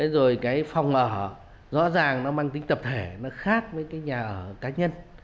rồi cái phòng ở rõ ràng nó mang tính tập thể nó khác với cái nhà ở cá nhân